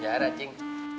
gak ada cing